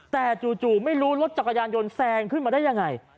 แต่จู่ไม่รู้รถจักรยานยนต์แซงขึ้นมาได้ยังไง